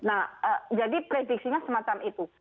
nah jadi prediksinya semacam itu